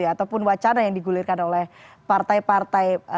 ataupun wacana yang digulirkan oleh partai partai